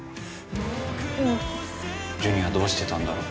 ジュニはどうしてたんだろう。